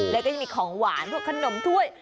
แล้วก็ยังมีของหวานพวกขนมถ้วย